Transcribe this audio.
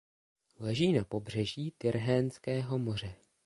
Leží na pobřeží Tyrhénského moře.